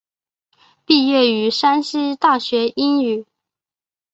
毕业于山西大学英语。